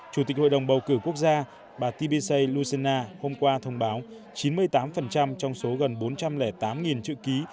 chủ tịch hội đồng bầu cử quốc gia bà tbishi luzona hôm qua thông báo chín mươi tám trong số gần bốn trăm linh tám chữ ký